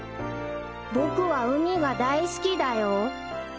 ［僕は海が大好きだよ］